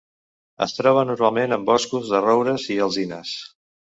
Es troba normalment en boscos de roures i alzines.